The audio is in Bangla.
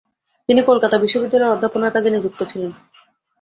তিনি কলকাতা বিশ্ববিদ্যালয়ে অধ্যাপনার কাজে নিযুক্ত ছিলেন।